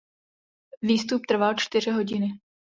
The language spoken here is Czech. Výstup trval čtyři hodiny.